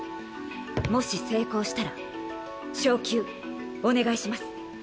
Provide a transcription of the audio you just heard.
もし成功したら昇級お願いします。